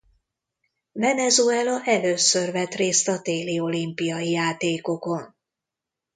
Venezuela először vett részt a téli olimpiai játékokon.